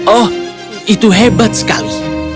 oh itu hebat sekali